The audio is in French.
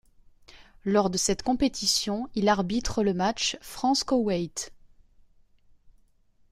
Lors de cette compétition, il arbitre le match France-Koweït.